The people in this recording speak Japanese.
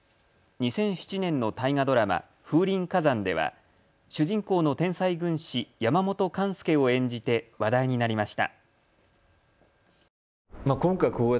２００７年の大河ドラマ、風林火山では主人公の天才軍師、山本勘助を演じて話題になりました。